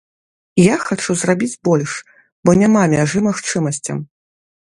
Я хачу зрабіць больш, бо няма мяжы магчымасцям.